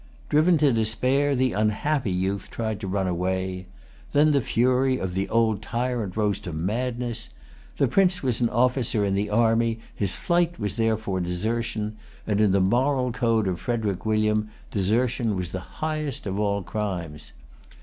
Driven to despair, the unhappy youth tried to run away. Then the fury of the old tyrant rose to madness. The Prince was an officer in the army: his flight was therefore desertion; and in the moral code of Frederic William, desertion was the highest of all crimes.